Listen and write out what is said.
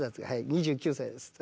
「２９歳です」。